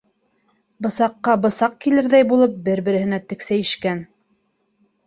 Бысаҡҡа бысаҡ килерҙәй булып бер-береһенә тексәйешкән